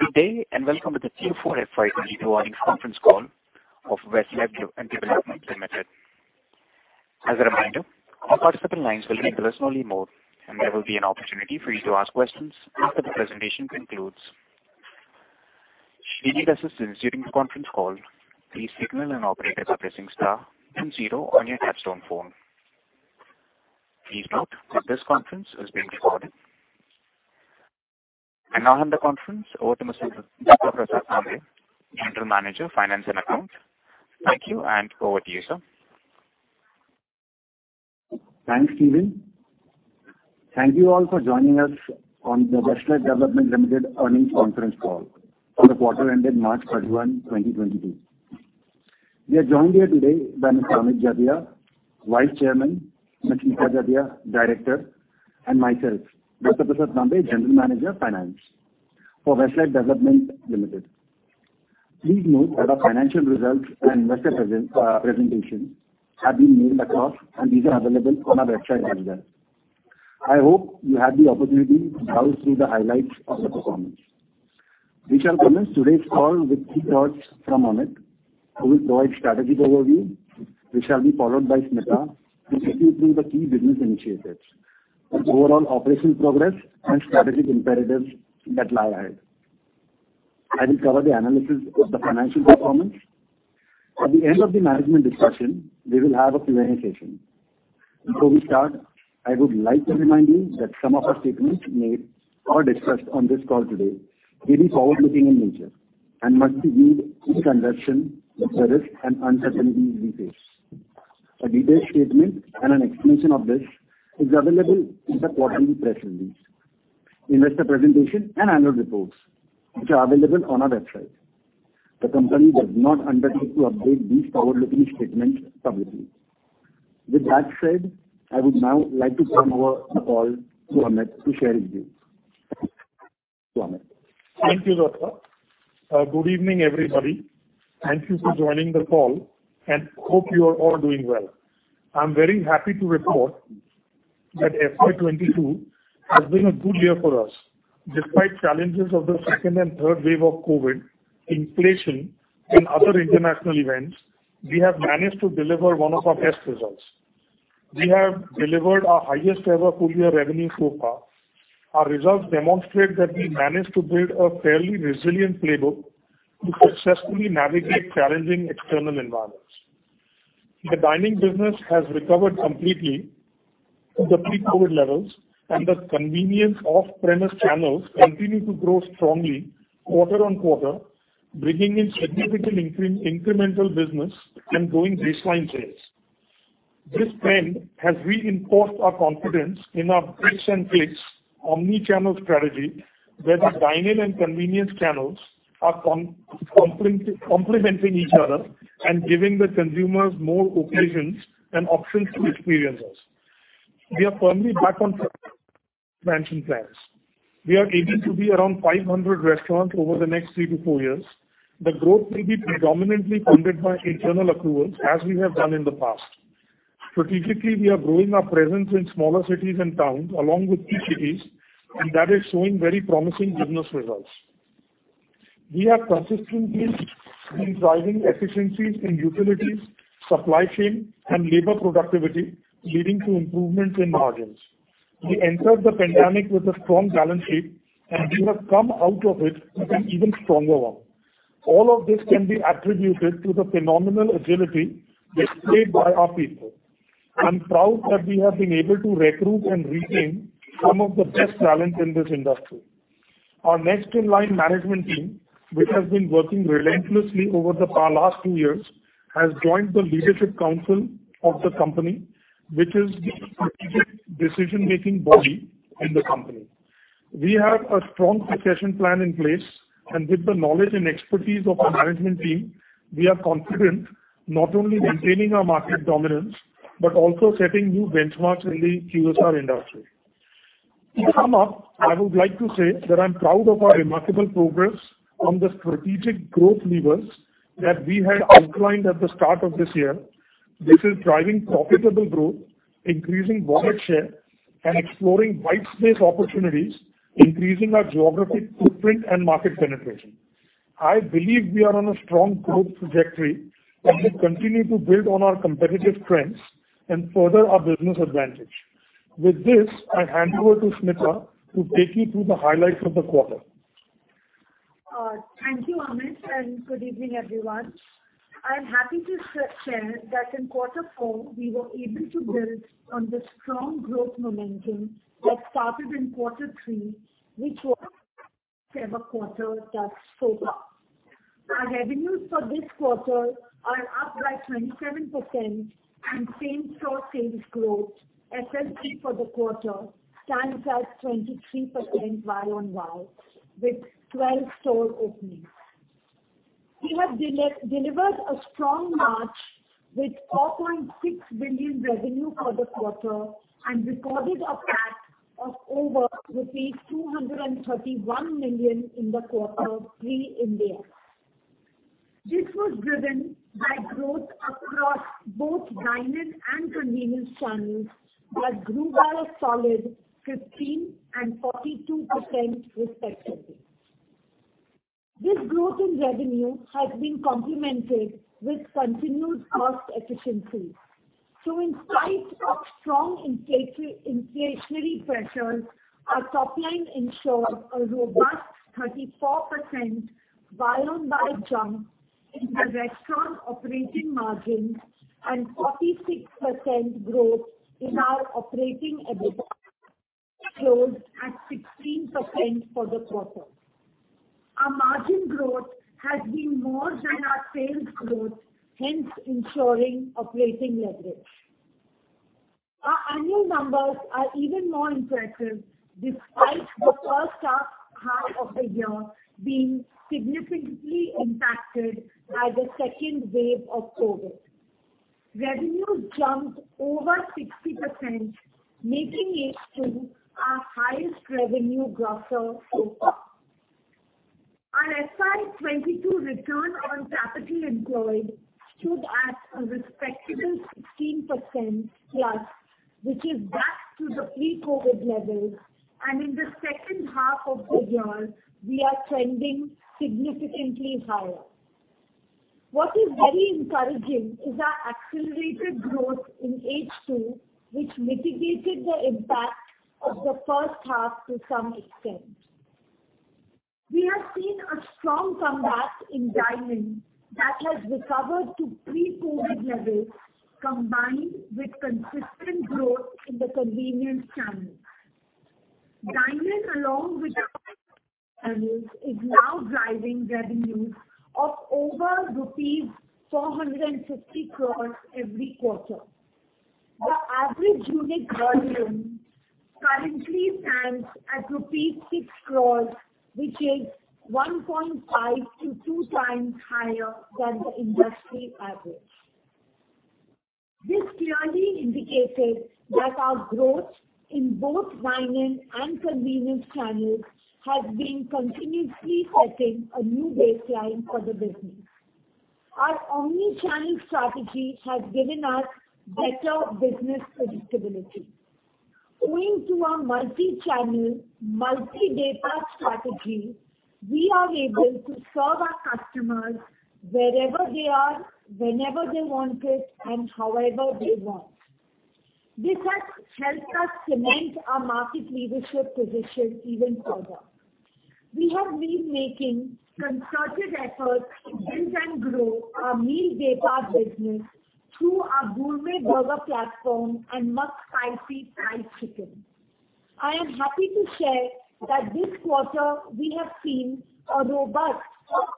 Good day, and welcome to the Q4 FY22 earnings conference call of Westlife Development Limited. As a reminder, all participant lines will be in listen-only mode, and there will be an opportunity for you to ask questions after the presentation concludes. Should you need assistance during the conference call, please signal an operator by pressing star then zero on your touchtone phone. Please note that this conference is being recorded. I now hand the conference over to Mr. Dattaprasad Tambe, General Manager, Finance and Accounts. Thank you, and over to you, sir. Thanks, Steven. Thank you all for joining us on the Westlife Development Limited earnings conference call for the quarter ended March 31, 2022. We are joined here today by Mr. Amit Jatia, Vice Chairman, Ms. Smita Jatia, Director, and myself, Dattaprasad Tambe, General Manager, Finance for Westlife Development Limited. Please note that our financial results and investor presentation have been mailed across, and these are available on our website as well. I hope you had the opportunity to browse through the highlights of the performance. We shall commence today's call with key thoughts from Amit, who will provide strategy overview, which shall be followed by Smita, who will take you through the key business initiatives, the overall operational progress and strategic imperatives that lie ahead. I will cover the analysis of the financial performance. At the end of the management discussion, we will have a Q&A session. Before we start, I would like to remind you that some of our statements made or discussed on this call today may be forward-looking in nature and must be viewed in conjunction with the risks and uncertainties we face. A detailed statement and an explanation of this is available in the quarterly press release, investor presentation and annual reports, which are available on our website. The company does not undertake to update these forward-looking statements publicly. With that said, I would now like to turn over the call to Amit to share his views. To Amit. Thank you, Dattaprasad. Good evening, everybody. Thank you for joining the call and hope you are all doing well. I'm very happy to report that FY 2022 has been a good year for us. Despite challenges of the second and third wave of COVID, inflation and other international events, we have managed to deliver one of our best results. We have delivered our highest ever full year revenue so far. Our results demonstrate that we managed to build a fairly resilient playbook to successfully navigate challenging external environments. The dining business has recovered completely to the pre-COVID levels, and the convenience off-premise channels continue to grow strongly quarter on quarter, bringing in significant incremental business and growing baseline sales. This trend has reinforced our confidence in our bricks and clicks omni-channel strategy, where the dine-in and convenience channels are complementing each other and giving the consumers more occasions and options to experience us. We are firmly back on expansion plans. We are aiming to be around 500 restaurants over the next three-four years. The growth will be predominantly funded by internal accruals, as we have done in the past. Strategically, we are growing our presence in smaller cities and towns along with key cities, and that is showing very promising business results. We are consistently driving efficiencies in utilities, supply chain and labor productivity, leading to improvements in margins. We entered the pandemic with a strong balance sheet, and we have come out of it with an even stronger one. All of this can be attributed to the phenomenal agility displayed by our people. I'm proud that we have been able to recruit and retain some of the best talent in this industry. Our next in line management team, which has been working relentlessly over the last two years, has joined the leadership council of the company, which is the strategic decision-making body in the company. We have a strong succession plan in place, and with the knowledge and expertise of our management team, we are confident not only maintaining our market dominance, but also setting new benchmarks in the QSR industry. To sum up, I would like to say that I'm proud of our remarkable progress on the strategic growth levers that we had outlined at the start of this year. This is driving profitable growth, increasing market share and exploring white space opportunities, increasing our geographic footprint and market penetration. I believe we are on a strong growth trajectory and will continue to build on our competitive strengths and further our business advantage. With this, I hand over to Smita to take you through the highlights of the quarter. Thank you, Amit, and good evening, everyone. I am happy to share that in quarter four, we were able to build on the strong growth momentum that started in quarter three, which was our best ever quarter thus far. Our revenues for this quarter are up by 27% and same-store sales growth SSG for the quarter stands at 23% year-on-year with 12 store openings. We have delivered a strong March with 4.6 billion revenue for the quarter and recorded a PAT of over rupees 231 million in the quarter, pre-Ind AS. This was driven by growth across both dine-in and convenience channels that grew by a solid 15% and 42% respectively. This growth in revenue has been complemented with continued cost efficiency. In spite of strong inflationary pressures, our top line ensured a robust 34% year-on-year jump in the restaurant operating margins and 46% growth in our operating EBITDA. Closed at 16% for the quarter. Our margin growth has been more than our sales growth, hence ensuring operating leverage. Our annual numbers are even more impressive despite the first 1/2 of the year being significantly impacted by the second wave of COVID. Revenue jumped over 60%, making H2 our highest revenue grosser so far. Our FY 2022 return on capital employed stood at a respectable 16%+, which is back to the pre-COVID levels. In the second half of the year, we are trending significantly higher. What is very encouraging is our accelerated growth in H2, which mitigated the impact of the first 1/2 to some extent. We have seen a strong comeback in dine-in that has recovered to pre-COVID levels, combined with consistent growth in the convenience channel. Dine-in, along with our channels, is now driving revenues of over rupees 450 crore every quarter. The average unit volume currently stands at rupees 6 crore, which is 1.5-2x higher than the industry average. This clearly indicates that our growth in both dine-in and convenience channels has been continuously setting a new baseline for the business. Our omni-channel strategy has given us better business predictability. Owing to our multi-channel, multi-data strategy, we are able to serve our customers wherever they are, whenever they want it, and however they want. This has helped us cement our market leadership position even further. We have been making concerted efforts to build and grow our meal daypart business through our Gourmet Burger platform and McSpicy Fried Chicken. I am happy to share that this quarter we have seen a robust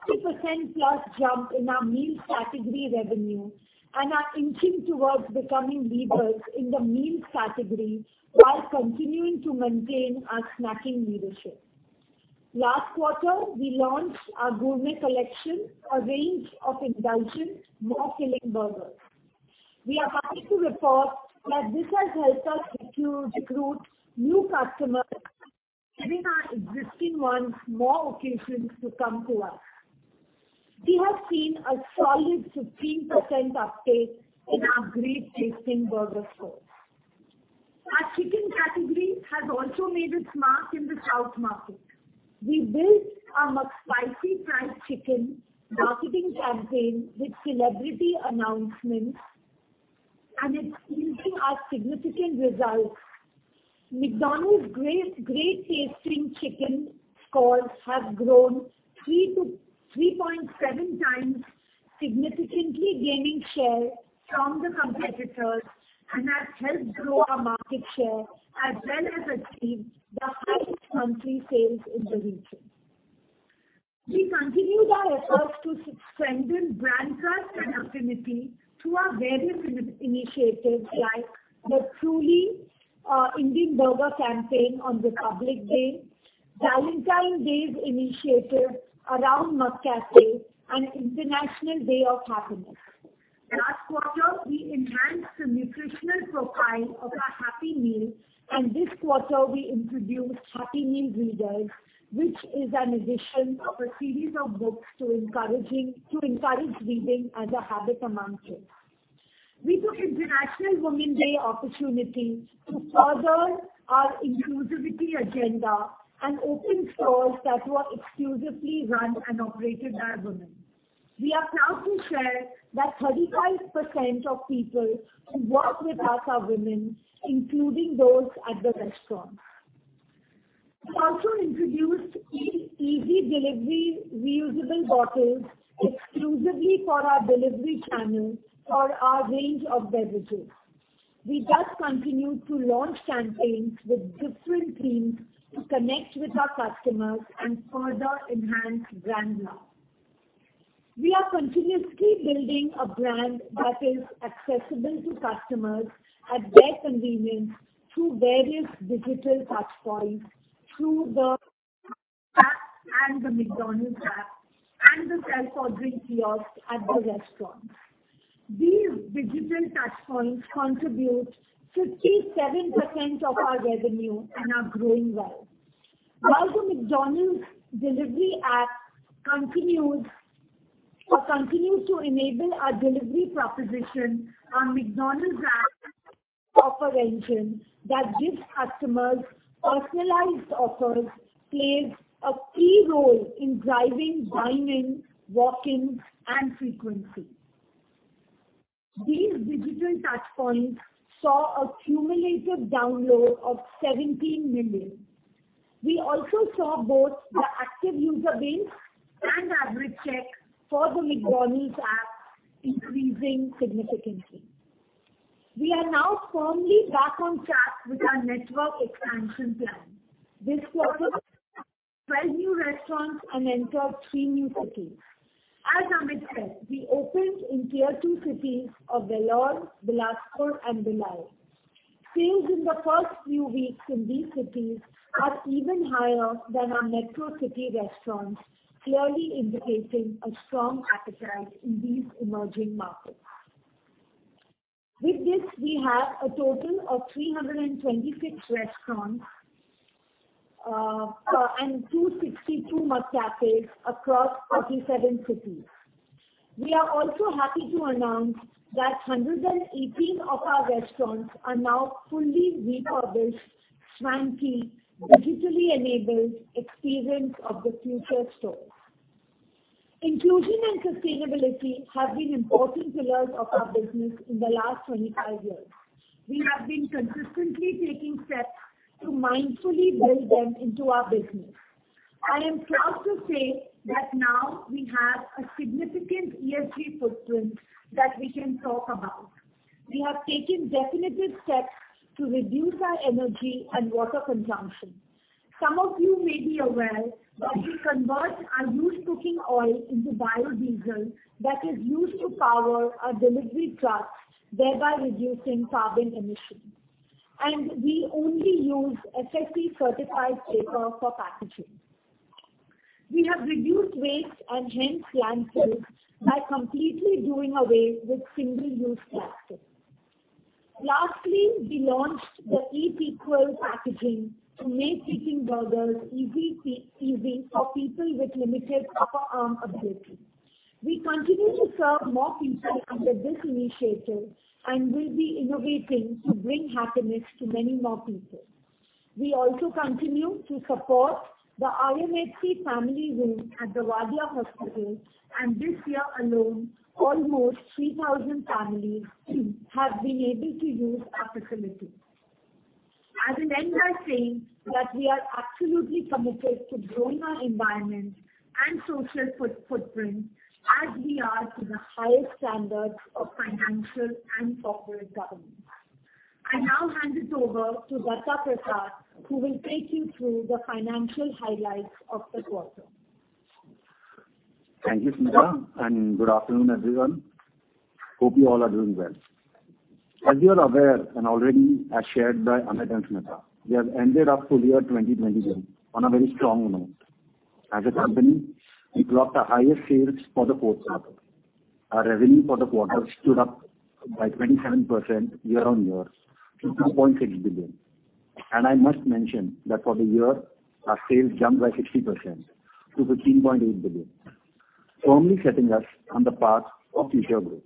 40% plus jump in our meals category revenue and are inching towards becoming leaders in the meals category while continuing to maintain our snacking leadership. Last quarter, we launched our Gourmet Burger Collection, a range of indulgent mouth-watering burgers. We are happy to report that this has helped us recruit new customers, giving our existing ones more occasions to come to us. We have seen a solid 15% uptake in our great tasting burger scores. Our chicken category has also made its mark in the South market. We built our McSpicy Fried Chicken marketing campaign with celebrity announcements, and it's yielding us significant results. McDonald's great tasting chicken scores have grown 3-3.7x, significantly gaining share from the competitors, and has helped grow our market share, as well as achieve the highest monthly sales in the region. We continue our efforts to strengthen brand trust and affinity through our various initiatives like the Truly Indian Burger campaign on Republic Day, Valentine's Day initiative around McCafe, and International Day of Happiness. Last quarter, we enhanced the nutritional profile of our Happy Meal, and this quarter we introduced Happy Meal Readers, which is an addition of a series of books to encourage reading as a habit among kids. We took International Women's Day opportunity to further our inclusivity agenda and open stores that were exclusively run and operated by women. We are proud to share that 35% of people who work with us are women, including those at the restaurants. We also introduced EZ Delivery reusable bottles exclusively for our delivery channels for our range of beverages. We thus continue to launch campaigns with different themes to connect with our customers and further enhance brand love. We are continuously building a brand that is accessible to customers at their convenience through various digital touchpoints, through the app and the McDonald's App and the self-ordering kiosks at the restaurants. These digital touchpoints contribute 57% of our revenue and are growing well. While the McDelivery app continues to enable our delivery proposition, our McDonald's App offer engine that gives customers personalized offers plays a key role in driving dine-in, walk-ins, and frequency. These digital touchpoints saw a cumulative download of 17 million. We also saw both the active user base and average check for the McDonald's App increasing significantly. We are now firmly back on track with our network expansion plan. This quarter, we opened 12 new restaurants and entered three new cities. As Amit said, we opened in tier two cities of Vellore, Bilaspur, and Bhilai. Sales in the first few weeks in these cities are even higher than our metro city restaurants, clearly indicating a strong appetite in these emerging markets. With this, we have a total of 326 restaurants and 262 McCafes across 37 cities. We are also happy to announce that 118 of our restaurants are now fully refurbished, swanky, digitally enabled Experience of the Future stores. Inclusion and sustainability have been important pillars of our business in the last 25 years. We have been consistently taking steps to mindfully build them into our business. I am proud to say that now we have a significant ESG footprint that we can talk about. We have taken definitive steps to reduce our energy and water consumption. Some of you may be aware that we convert our used cooking oil into biodiesel that is used to power our delivery trucks, thereby reducing carbon emissions. We only use FSC-certified paper for packaging. We have reduced waste and hence landfills by completely doing away with single-use plastic. Lastly, we launched the EatQual packaging to make eating burgers easy for people with limited upper arm ability. We continue to serve more people under this initiative and will be innovating to bring happiness to many more people. We also continue to support the RMHC family room at the Bai Jerbai Wadia Hospital for Children, and this year alone, almost 3,000 families have been able to use our facility. In the end, I say that we are absolutely committed to growing our environment and social footprint as we are to the highest standards of financial and corporate governance. I now hand it over to Dattaprasad Tambe, who will take you through the financial highlights of the quarter. Thank you, Smita, and good afternoon, everyone. Hope you all are doing well. As you are aware, and already as shared by Amit and Smita, we have ended our full year 2021 on a very strong note. As a company, we clocked our highest sales for the quarter. Our revenue for the quarter was up by 27% year-on-year to 2.6 billion. I must mention that for the year, our sales jumped by 60% to 15.8 billion, firmly setting us on the path of future growth.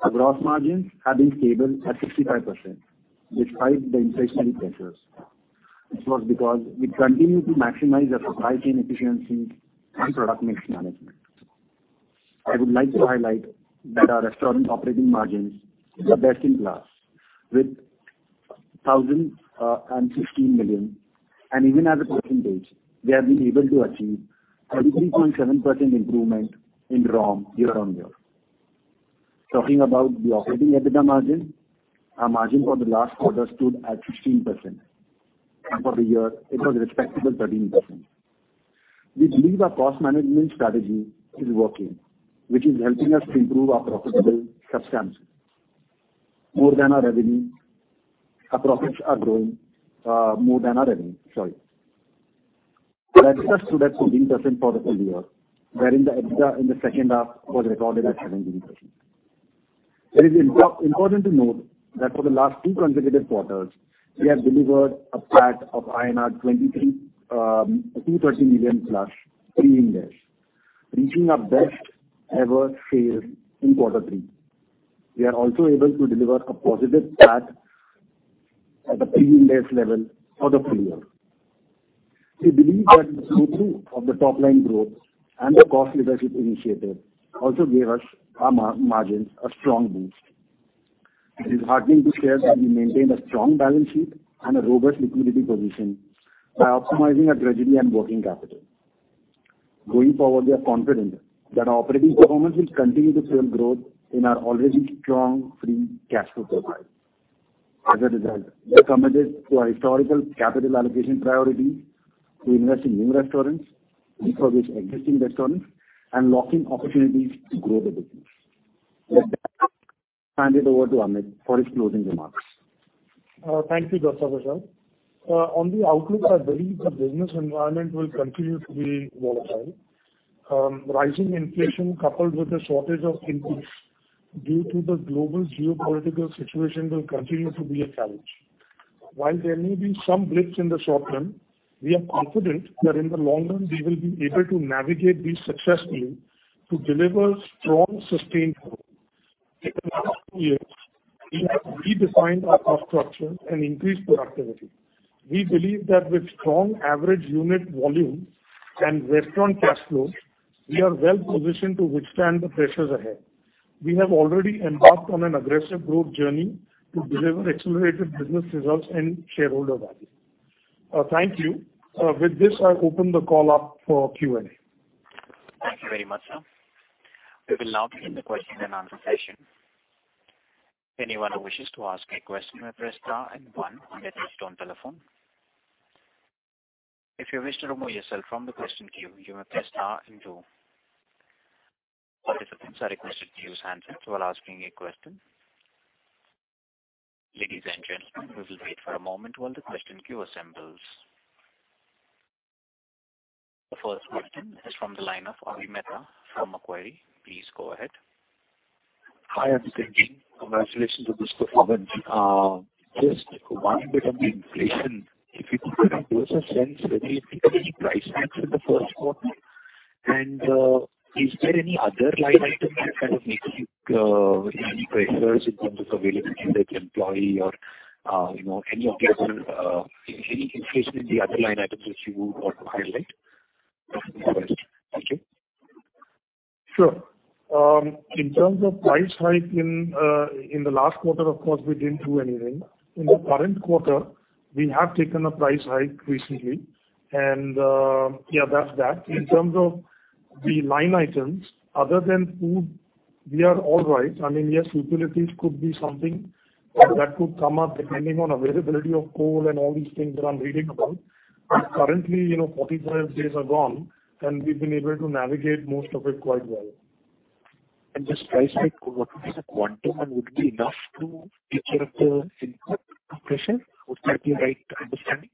Our gross margins have been stable at 65% despite the inflationary pressures. This was because we continue to maximize our supply chain efficiencies and product mix management. I would like to highlight that our restaurant operating margins are best in class with 1,016 million, and even as a %, we have been able to achieve a 30.7% improvement in ROM year-on-year. Talking about the operating EBITDA margin, our margin for the last quarter stood at 15%, and for the year it was respectable 13%. We believe our cost management strategy is working, which is helping us to improve our profitability substantially. Our profits are growing more than our revenue. Sorry. The EBITDA stood at 14% for the full year, wherein the EBITDA in the second 1/2 was recorded at 17%. It is important to note that for the last two consecutive quarters, we have delivered a PAT of INR 232 million plus pre-Ind AS, reaching our best ever sales in quarter three. We are also able to deliver a positive PAT at a pre-Ind AS level for the full year. We believe that the trough of the top line growth and the cost leadership initiative also gave us our margins a strong boost. It is heartening to share that we maintained a strong balance sheet and a robust liquidity position by optimizing our treasury and working capital. Going forward, we are confident that our operating performance will continue to fuel growth in our already strong free cash flow profile. As a result, we are committed to our historical capital allocation priority to invest in new restaurants, refurbish existing restaurants, and lock in opportunities to grow the business. With that, I hand it over to Amit for his closing remarks. Thank you, Dattaprasad Tambe. On the outlook, I believe the business environment will continue to be volatile. Rising inflation coupled with a shortage of inputs due to the global geopolitical situation will continue to be a challenge. While there may be some blips in the short term, we are confident that in the long run, we will be able to navigate this successfully to deliver strong, sustained growth. In the last two years, we have redesigned our cost structure and increased productivity. We believe that with strong average unit volume and restaurant cash flows, we are well positioned to withstand the pressures ahead. We have already embarked on an aggressive growth journey to deliver accelerated business results and shareholder value. Thank you. With this, I open the call up for Q&A. Thank you very much, sir. We will now begin the question and answer session. Anyone who wishes to ask a question may press star and one on their touchtone telephone. If you wish to remove yourself from the question queue, you may press star and two. Participants are requested to use handsets while asking a question. Ladies and gentlemen, we will wait for a moment while the question queue assembles. The first question is from the line of Abhi Mehta from Macquarie. Please go ahead. Hi, Amit Jatia, Smita Jatia. Congratulations on this performance. Just one bit on the inflation. If you could give us a sense whether you've taken any price hikes in the first quarter. Is there any other line item that kind of makes you any pressures in terms of availability, be it employee or you know, any of the other inflation in the other line items which you want to highlight? Thank you. Sure. In terms of price hike in the last quarter, of course, we didn't do anything. In the current quarter, we have taken a price hike recently. Yeah, that's that. In terms of the line items, other than food, we are all right. I mean, yes, utilities could be something that could come up depending on availability of coal and all these things that I'm reading about. Currently, you know, 45 days are gone, and we've been able to navigate most of it quite well. This price hike, what would be the quantum and would it be enough to take care of the input pressure? Would that be the right understanding?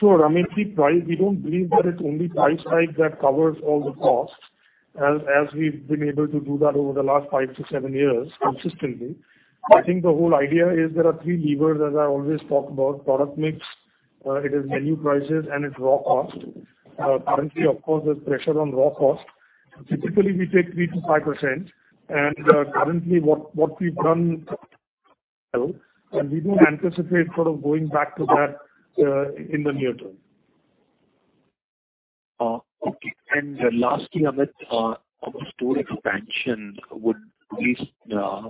Sure. I mean, see, price, we don't believe that it's only price hike that covers all the costs as we've been able to do that over the last five-seven years consistently. I think the whole idea is there are three levers, as I always talk about, product mix, it is menu prices, and it's raw cost. Currently, of course, there's pressure on raw cost. Typically, we take 3%-5%. Currently what we've done, and we don't anticipate sort of going back to that, in the near term. Okay. Lastly, Amit, on the store expansion, could you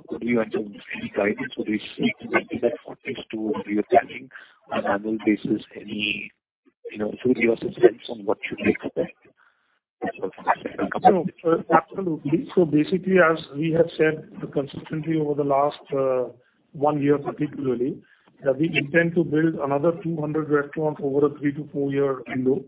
provide any guidance for this? Is it 40 stores you're planning on an annual basis? Could you give us a sense on what we should expect? Sure. Absolutely. Basically, as we have said consistently over the last one year particularly, that we intend to build another 200 restaurants over a three-four-year window.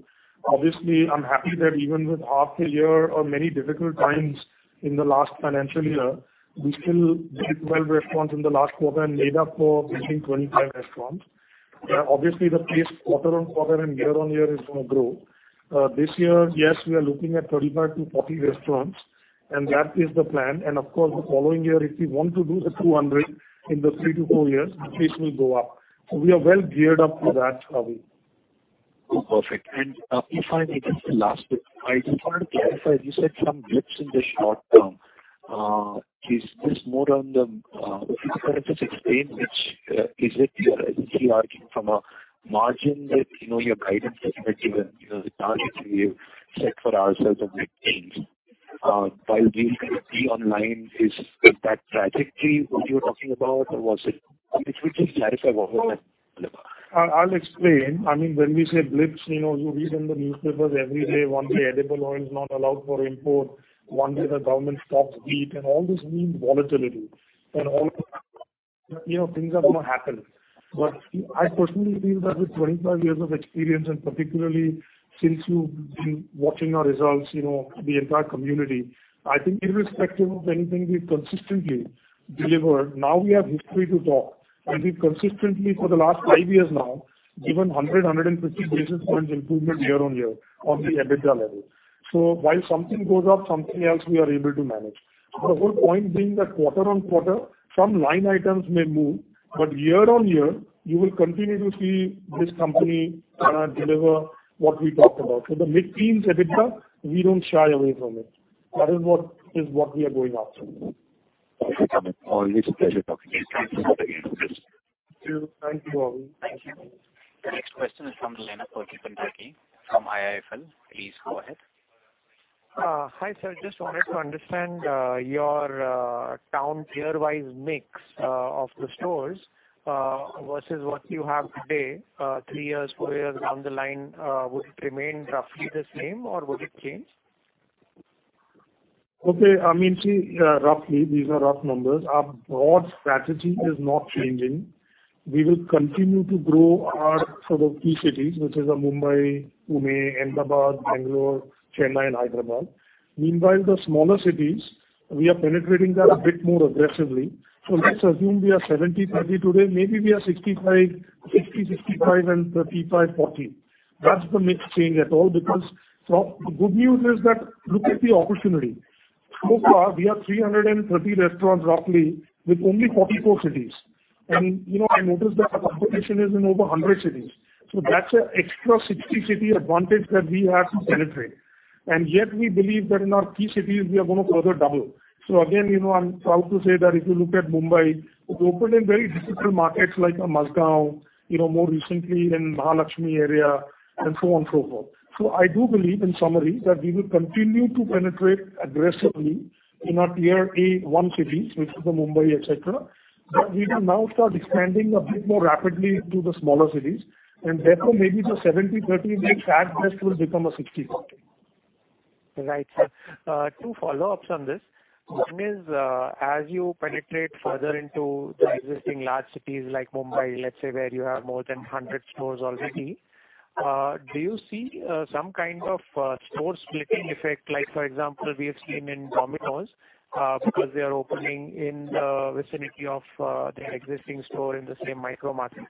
Obviously, I'm happy that even with half a year or many difficult times in the last financial year, we still did 12 restaurants in the last quarter and made up for missing 25 restaurants. Obviously the pace quarter-on-quarter and year on year is gonna grow. This year, yes, we are looking at 35-40 restaurants, and that is the plan. Of course, the following year, if we want to do the 200 in the three-four years, the pace will go up. We are well geared up for that, Abhi. Oh, perfect. If I may, just the last bit. I just wanted to clarify. You said some blips in the short term. Could you kind of just explain which? Is it your ESG argument from a margin that, you know, your guidance that you had given, you know, the target you set for ourselves and mid-teens. While we look at the online, is that trajectory what you're talking about or was it? If you could just clarify what was that delivery. I'll explain. I mean, when we say blips, you know, you read in the newspapers every day, one day edible oil is not allowed for import, one day the government stocks wheat, and all this means volatility. All, you know, things are gonna happen. I personally feel that with 25 years of experience, and particularly since you've been watching our results, you know, the entire community, I think irrespective of anything, we've consistently delivered. Now we have history to talk. We've consistently, for the last five years now, given 150 basis points improvement year on year on the EBITDA level. While something goes up, something else we are able to manage. The whole point being that quarter on quarter some line items may move, but year on year you will continue to see this company deliver what we talked about. The mid-teens EBITDA, we don't shy away from it. That is what we are going after. Okay, Amit. Always a pleasure talking to you. Thank you. Thank you, Abhi. Thank you. The next question is from the line of Urjit Patel from IIFL. Please go ahead. Hi, sir. Just wanted to understand your town tier-wise mix of the stores versus what you have today. Three years, Fur years down the line, would it remain roughly the same, or would it change? Okay. I mean, see, roughly, these are rough numbers. Our broad strategy is not changing. We will continue to grow our sort of key cities, which is Mumbai, Pune, Ahmedabad, Bangalore, Chennai and Hyderabad. Meanwhile, the smaller cities, we are penetrating that a bit more aggressively. Let's assume we are 70/30 today. Maybe we are 65/35, 60/40. That's the mix change at all because the good news is that look at the opportunity. So far we have 330 restaurants roughly with only 44 cities. I mean, you know, I noticed that our competition is in over 100 cities, so that's an extra 60 city advantage that we have to penetrate. Yet we believe that in our key cities we are gonna further double. Again, you know, I'm proud to say that if you look at Mumbai, we've opened in very difficult markets like Mazagaon, you know, more recently in Mahalakshmi area and so on and so forth. I do believe in summary that we will continue to penetrate aggressively in our Tier I cities, which is Mumbai, etc. We will now start expanding a bit more rapidly to the smaller cities and therefore maybe the 70/30 mix at best will become a 60/40. Right. Two follow-ups on this. One is, as you penetrate further into the existing large cities like Mumbai, let's say, where you have more than 100 stores already, do you see some kind of store splitting effect? Like for example, we have seen in Domino's, because they are opening in the vicinity of their existing store in the same micro market.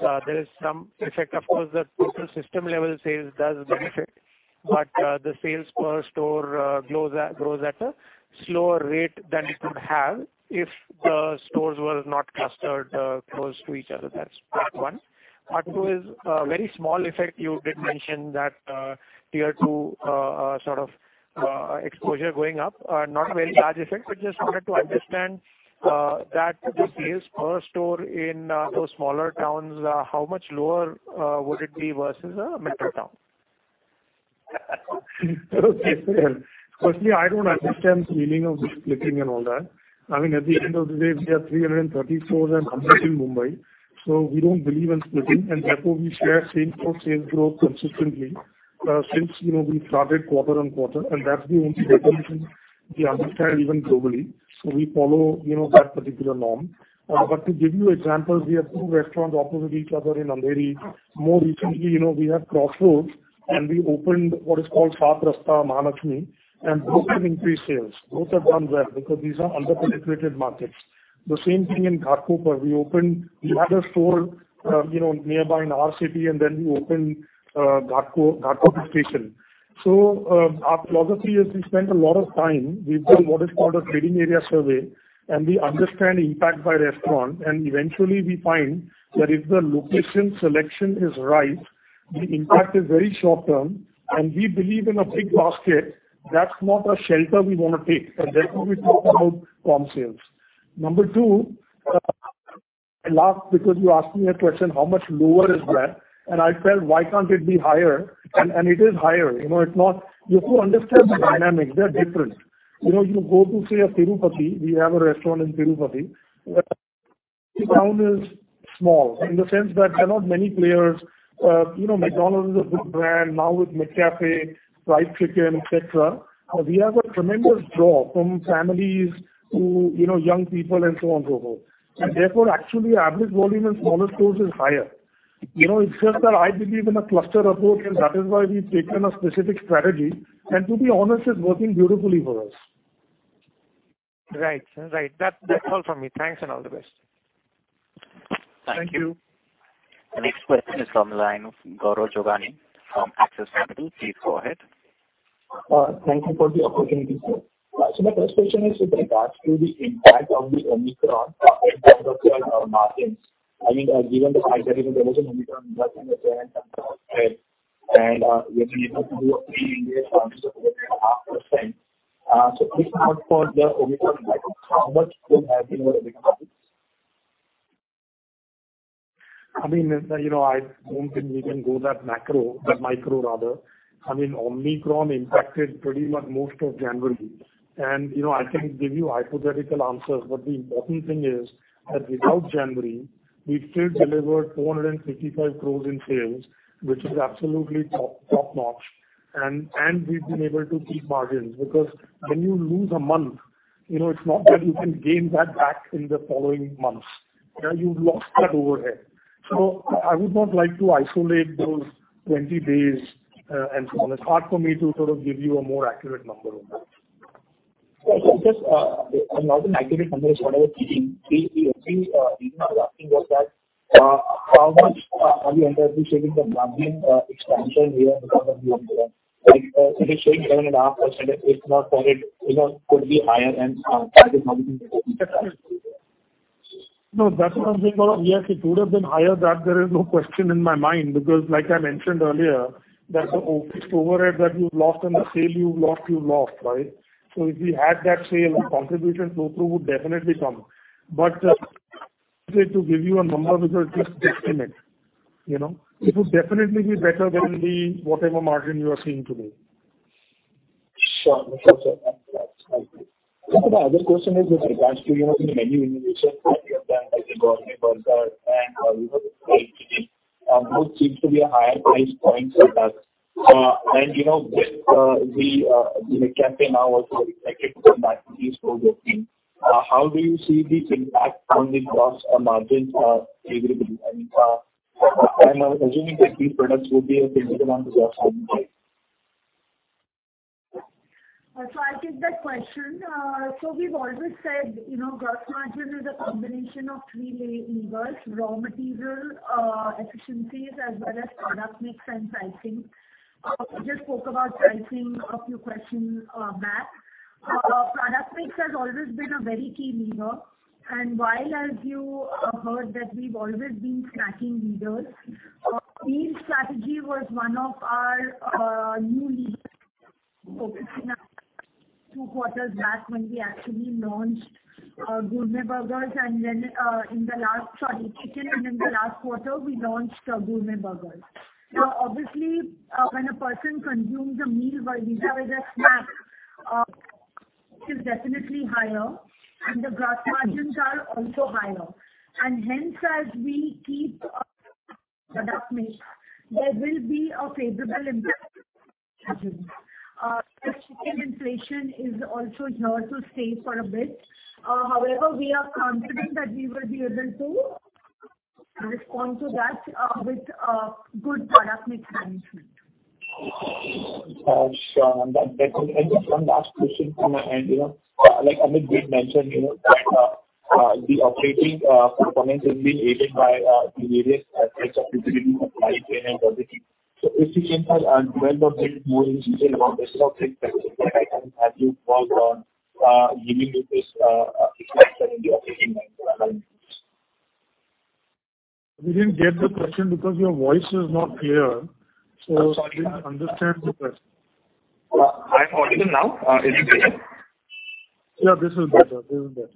There is some effect, of course, the total system level sales does benefit, but the sales per store grows at a slower rate than it would have if the stores were not clustered close to each other. That's Part one. Part two is a very small effect. You did mention that, Tier II sort of exposure going up. Not a very large effect, but just wanted to understand that the sales per store in those smaller towns how much lower would it be versus a metro town? Firstly, I don't understand the meaning of splitting and all that. I mean, at the end of the day, we have 330 stores and 100 in Mumbai, so we don't believe in splitting and therefore we share same-store sales growth consistently, since, you know, we started quarter on quarter. That's the only measurement we understand even globally. We follow, you know, that particular norm. To give you examples, we have two restaurants opposite each other in Andheri. More recently, you know, we have Crossroads, and we opened what is called Saat Rasta Mahalakshmi and both have increased sales. Both have done well because these are under-penetrated markets. The same thing in Ghatkopar. We opened another store, you know, nearby in our city, and then we opened Ghatkopar station. Our philosophy is we spend a lot of time. We've done what is called a trading area survey, and we understand impact by restaurant. Eventually we find that if the location selection is right, the impact is very short-term and we believe in a big basket. That's not a shelter we wanna take. Therefore we talk about comp sales. Number two, I laughed because you asked me a question, how much lower is that? I felt, why can't it be higher? And it is higher. You know, it's not. You have to understand the dynamics. They're different. You know, you go to say a Tirupati, we have a restaurant in Tirupati. The town is small in the sense that there are not many players. You know, McDonald's is a good brand now with McCafe, Fried Chicken, et cetera. We have a tremendous draw from families to, you know, young people and so on, so forth. Therefore, actually, average volume in smaller stores is higher. You know, it's just that I believe in a cluster approach, and that is why we've taken a specific strategy, and to be honest, it's working beautifully for us. Right. That's all from me. Thanks and all the best. Thank you. Thank you. The next question is from the line of Gaurav Jogani from Axis Capital. Please go ahead. Thank you for the opportunity, sir. My first question is with regards to the impact of the Omicron in terms of your margins. I mean, given the fact that even there was an Omicron. Okay in December and we have been able to do a three-year 0.5%. If not for the Omicron impact, how much could have been your earnings profits? I mean, you know, I don't think we can go that macro, that micro rather. I mean, Omicron impacted pretty much most of January. You know, I can give you hypothetical answers, but the important thing is that without January, we still delivered 455 crore in sales, which is absolutely top-notch. We've been able to keep margins, because when you lose a month, you know, it's not that you can gain that back in the following months. Yeah, you've lost that overhead. I would not like to isolate those 20 days, and so on. It's hard for me to sort of give you a more accurate number on that. Just not an accurate number is whatever key you know asking what is that how much are you under-appreciating the margin expansion here because of the Omicron? Like it is showing 7.5%. If not for it you know could be higher and how much it could be? No, that's what I'm saying. Yes, it could have been higher. That there is no question in my mind because like I mentioned earlier, that the overhead that you've lost and the sale you've lost, right? If we had that sale, the contribution flow through would definitely come. To give you a number because it's just estimate, you know. It would definitely be better than the whatever margin you are seeing today. Sure, sir. Thank you. Sir, my other question is with regards to, you know, the menu innovation that you have done like the Gourmet Burger and, you know, the RPG, both seems to be a higher price point products. You know, with the you know campaign now also expected to come back to these store working, how do you see these impact on the gross margins favorably? I'm assuming that these products will be a significant amount of your same-store sales. I'll take that question. We've always said, you know, gross margin is a combination of three main levers: raw material, efficiencies as well as product mix and pricing. We just spoke about pricing a few questions back. Product mix has always been a very key lever. While, as you heard that we've always been snacking leaders, meal strategy was one of our new levers focusing on two quarters back when we actually launched chicken and then the last quarter we launched Gourmet Burgers. Now, obviously, when a person consumes a meal vis-a-vis a snack is definitely higher, and the gross margins are also higher. Hence, as we keep product mix, there will be a favorable impact on margin. The chicken inflation is also here to stay for a bit. However, we are confident that we will be able to respond to that with good product mix management. Sure. Just one last question from my end. You know, like Amit did mention, you know, that the operating performance is being aided by the various efforts of visibility of supply chain and logistics. If you can dwell a bit more in detail about this topic, that's okay. Have you worked on giving you this efficiency in the operating We didn't get the question because your voice is not clear. I'm sorry. We didn't understand the question. Hi. Audible now. Is it better? Yeah, this is better. This is better.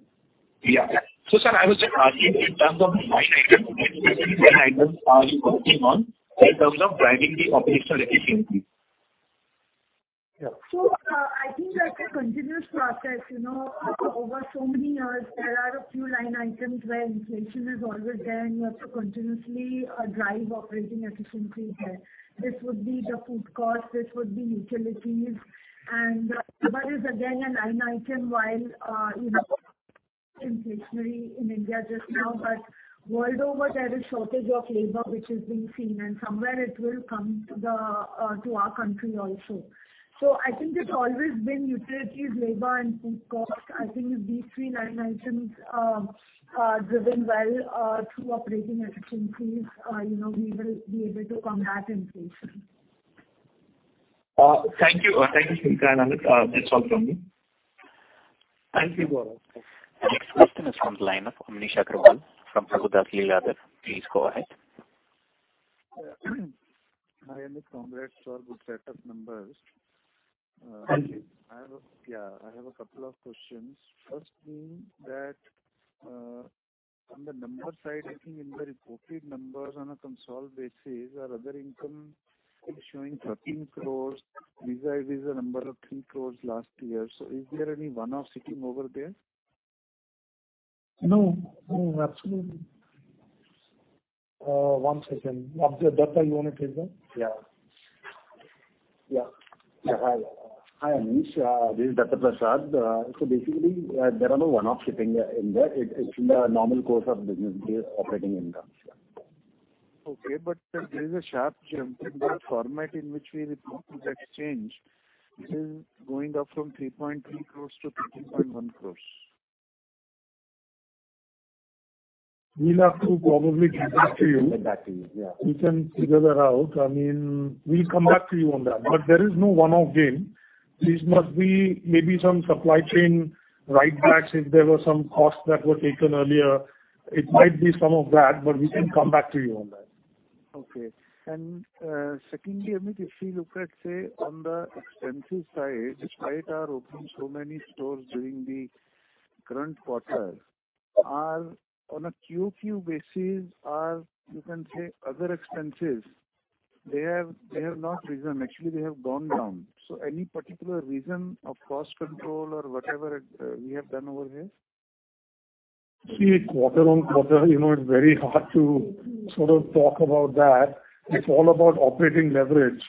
Yeah. Sir, I was just asking in terms of line item which line items are you working on in terms of driving the operational efficiency? Yeah. I think that's a continuous process. You know, over so many years, there are a few line items where inflation is always there, and you have to continuously drive operating efficiency there. This would be the food cost, this would be utilities. Labor is again a line item while, you know, inflationary in India just now, but world over there is shortage of labor which is being seen and somewhere it will come to our country also. I think it's always been utilities, labor and food cost. I think if these three line items are driven well through operating efficiencies, you know, we will be able to combat inflation. Thank you. Thank you, Smita and Amit. That's all from me. Thank you, Gaurav. The next question is from the line of Amnish Aggarwal from Prabhudas Lilladher. Please go ahead. Hi Amit. Congrats for good set of numbers. Thank you. I have a couple of questions. First being that, on the number side, I think in the reported numbers on a consolidated basis other income is showing 13 crores vis-a-vis the number of 3 crores last year. Is there any one-off sitting over there? No, absolutely. One second. Dattaprasad Tambe, you wanna take that? Hi, Amnish. This is Dattaprasad. So basically, there are no one-off sitting in there. It's in the normal course of business days operating income. Okay. There is a sharp jump in the format in which we report to the exchange. It is going up from 3.3 crores to 13.1 crores. We'll have to probably get back to you. Get back to you, yeah. We can figure that out. I mean, we'll come back to you on that. There is no one-off gain. This must be maybe some supply chain write backs if there were some costs that were taken earlier. It might be some of that, but we can come back to you on that. Okay. Secondly, Amit Jatia, if you look at, say, on the expenses side, despite our opening so many stores during the current quarter, other expenses on a Q/Q basis, or you can say, they have not risen. Actually, they have gone down. Any particular reason for cost control or whatever we have done over here? See, quarter-on-quarter, you know, it's very hard to sort of talk about that. It's all about operating leverage.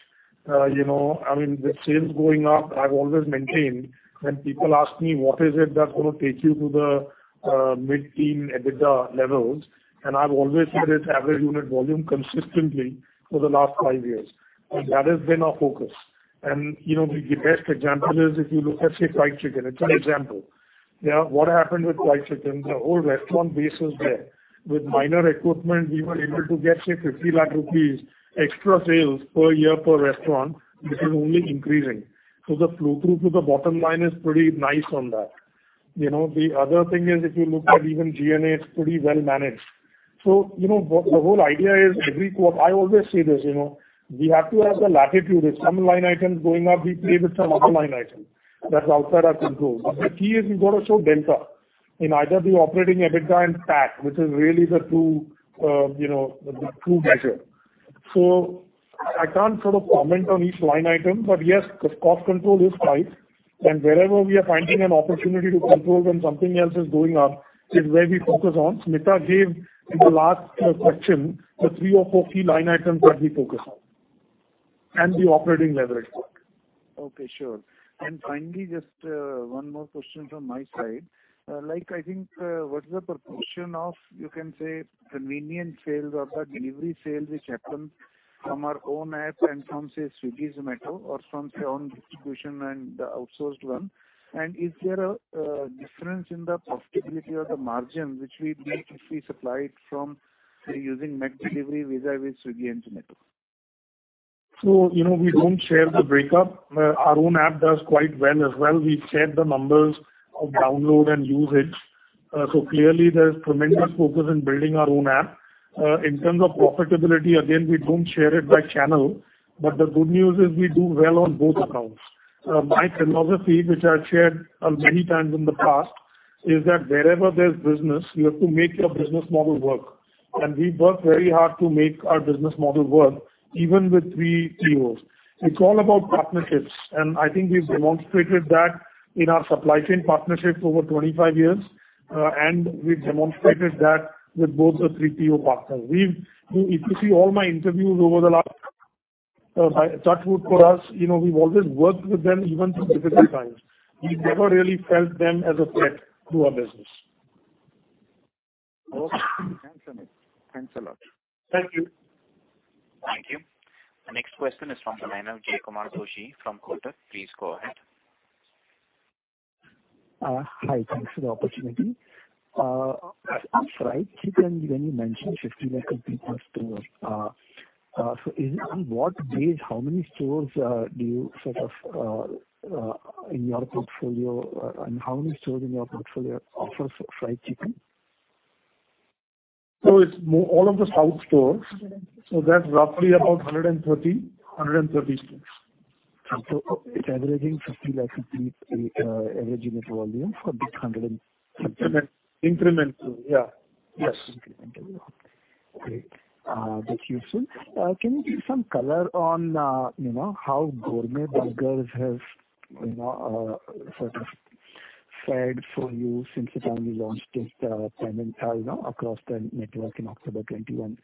You know, I mean, the sales going up, I've always maintained when people ask me what is it that's gonna take you to the mid-teen EBITDA levels, and I've always said it's average unit volume consistently for the last five years. That has been our focus. You know, the best example is if you look at, say, fried chicken, it's an example. Yeah. What happened with fried chicken? The old restaurant base is there. With minor equipment, we were able to get, say, 50 lakh rupees extra sales per year per restaurant, which is only increasing. The flow through to the bottom line is pretty nice on that. You know, the other thing is if you look at even G&A, it's pretty well managed. You know, the whole idea is every quarter I always say this, you know. We have to have the latitude. If some line item going up, we play with some other line item that's outside our control. The key is we've got to show delta in either the operating EBITDA and tax, which is really the true, you know, the true measure. I can't sort of comment on each line item, but yes, the cost control is tight. Wherever we are finding an opportunity to control when something else is going up is where we focus on. Smita gave in the last question the three or four key line items that we focus on. The operating leverage work. Okay, sure. Finally, just one more question from my side. Like I think, what is the proportion of, you can say, convenient sales or the delivery sales which happens from our own app and from, say, Swiggy, Zomato or from your own distribution and the outsourced one? Is there a difference in the profitability or the margin which we make if we supply it from, say, using McDelivery vis-à-vis Swiggy and Zomato? You know, we don't share the breakup. Our own app does quite well as well. We've shared the numbers of download and usage. Clearly there's tremendous focus in building our own app. In terms of profitability, again, we don't share it by channel. The good news is we do well on both accounts. My philosophy, which I've shared many times in the past, is that wherever there's business you have to make your business model work. We work very hard to make our business model work, even with 3POs. It's all about partnerships, and I think we've demonstrated that in our supply chain partnerships over 25 years, and we've demonstrated that with both the 3PO partners. If you see all my interviews over the last, touchwood for us, you know, we've always worked with them even through difficult times. We've never really felt them as a threat to our business. Okay. Thanks, Amit. Thanks a lot. Thank you. Thank you. The next question is from the line of Jaykumar Doshi from Kotak. Please go ahead. Hi. Thanks for the opportunity. Sri, when you mentioned 50 million per store. Is it on what basis, how many stores do you have in your portfolio, and how many stores in your portfolio offers Fried Chicken? It's more all of the South stores. That's roughly about 130 stores. It's averaging 50 lakh a week, average net volume for these 130. Incrementally, yeah. Yes. Incrementally. Okay. That's useful. Can you give some color on, you know, how Gourmet Burgers has, you know, sort of fared for you since the time you launched it, you know, across the network in October 2021?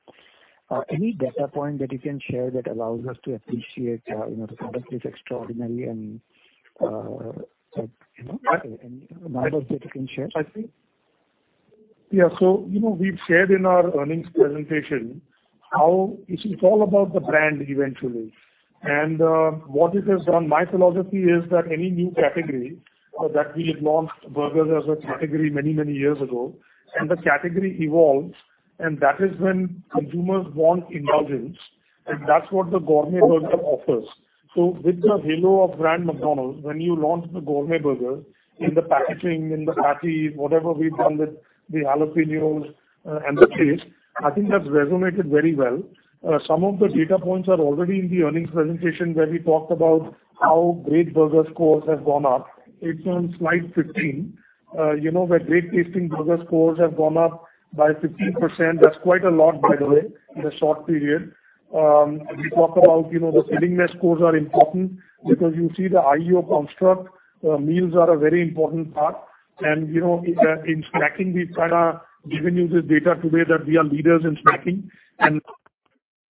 Any data point that you can share that allows us to appreciate, you know, the product is extraordinary and, you know, any numbers that you can share? I think. Yeah, you know, we've shared in our earnings presentation how it's all about the brand eventually. What it has done, my philosophy is that any new category that we had launched burgers as a category many, many years ago, and the category evolves, and that is when consumers want indulgence, and that's what the gourmet burger offers. With the halo of brand McDonald's, when you launch the gourmet burger in the packaging, in the patty, whatever we've done with the jalapeños, and the taste, I think that's resonated very well. Some of the data points are already in the earnings presentation where we talked about how great burger scores have gone up. It's on Slide 15, you know, where great tasting burger scores have gone up by 15%. That's quite a lot, by the way, in a short period. We talk about, you know, the filling-ness scores are important because you see the IEO construct, meals are a very important part. You know, in snacking, we've kinda given you the data today that we are leaders in snacking.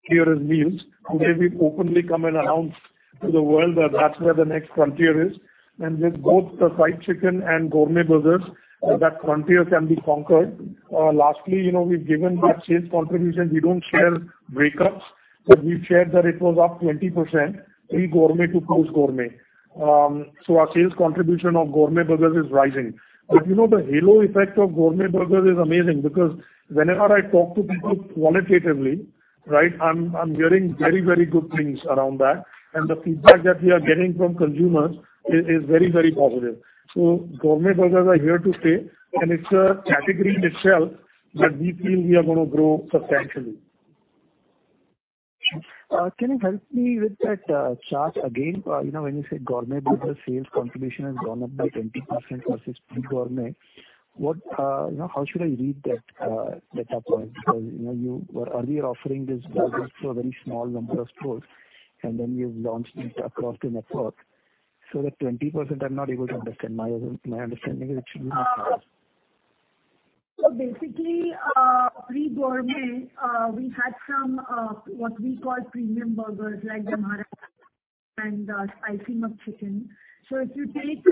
Here is meals. Today we've openly come and announced to the world that's where the next frontier is. With both the fried chicken and gourmet burgers, that frontier can be conquered. Lastly, you know, we've given that sales contribution. We don't share breakups, but we've shared that it was up 20% pre-gourmet to post gourmet. So our sales contribution of gourmet burgers is rising. You know, the halo effect of gourmet burgers is amazing because whenever I talk to people qualitatively, right, I'm hearing very, very good things around that. The feedback that we are getting from consumers is very, very positive. Gourmet burgers are here to stay, and it's a category itself that we feel we are gonna grow substantially. Can you help me with that chart again? You know, when you said Gourmet Burger sales contribution has gone up by 20% versus pre-Gourmet. What, you know, how should I read that data point? Because, you know, you were earlier offering this burger for a very small number of stores, and then you've launched it across the network. The 20% I'm not able to understand. My understanding is it should be- Basically, pre-Gourmet, we had some what we call premium burgers, like the Maharaja and the McSpicy Chicken. If you take,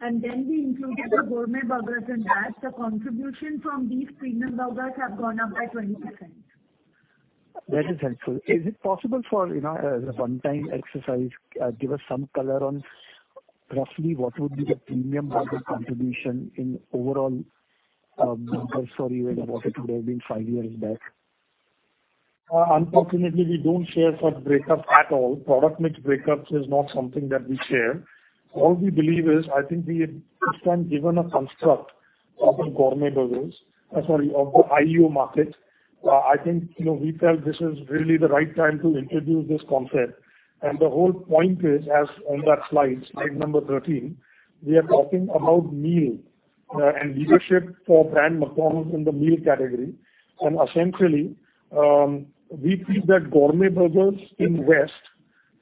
and then we included the Gourmet burgers in that, the contribution from these premium burgers have gone up by 20%. That is helpful. Is it possible for, you know, as a one-time exercise, give us some color on roughly what would be the premium burger contribution in overall, burgers for you as of what it would have been five years back? Unfortunately, we don't share such breakups at all. Product mix breakups is not something that we share. All we believe is, I think we have this time given a construct of the IEO market. I think, you know, we felt this is really the right time to introduce this concept. The whole point is, as on that Slide Number 13, we are talking about meal and leadership for brand McDonald's in the meal category. Essentially, we feel that gourmet burgers in West